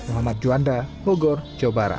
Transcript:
muhammad juanda bogor jawa barat